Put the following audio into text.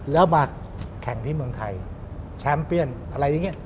แล้วมาแข่งที่เมืองไทยแชมป์เปียนอะไรอย่างนี้